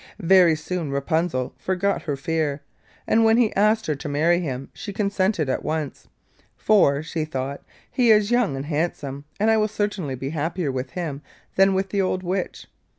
Very soon Rapunzel forgot her fear, and when he asked her to marry him she consented at once. 'For,' she thought, 'he is young and handsome, and I'll certainly be happier with him than with the old Witch.